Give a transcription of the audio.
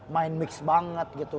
main mix banget gitu